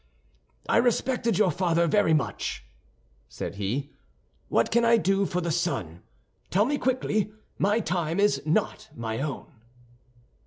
"I respected your father very much," said he. "What can I do for the son? Tell me quickly; my time is not my own."